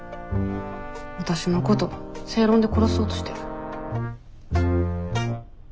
わたしのこと正論で殺そうとしてる？